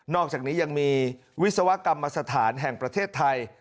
อกจากนี้ยังมีวิศวกรรมสถานแห่งประเทศไทย